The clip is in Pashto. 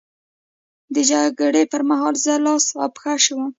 د جګړې پر مهال زه لاس او پښه شم.